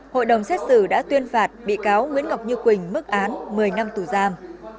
hội đồng xét xử đã tuyên phạt bị cáo nguyễn ngọc như quỳnh mức án một mươi năm tù giam